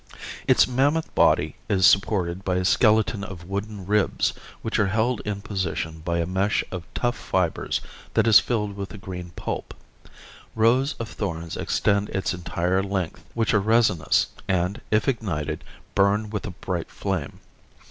Its mammoth body is supported by a skeleton of wooden ribs, which are held in position by a mesh of tough fibers that is filled with a green pulp. Rows of thorns extend its entire length which are resinous and, if ignited, burn with a bright flame.